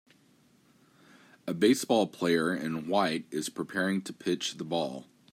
A baseball player in white is preparing to pitch the ball.